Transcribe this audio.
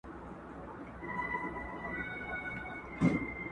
بې غاښو خوله به یې وازه وه نیولې؛